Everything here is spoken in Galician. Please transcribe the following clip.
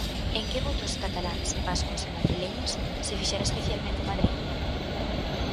En que votos cataláns, vascos e madrileños se fixará especialmente Madrid?